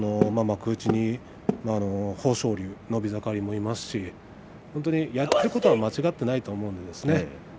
このまま幕内に豊昇龍伸び盛りもいますしやっていることは間違いないと思うんですね。